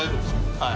はい。